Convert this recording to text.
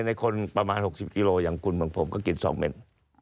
ในคนประมาณ๖๐กิโลอย่างคุณของผมก็กิน๒เม็ด